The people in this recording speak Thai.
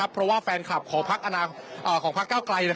เพราะแฟนคลับขอพักอาณาของพักเกราะไกล